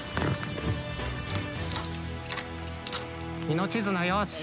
命綱よし。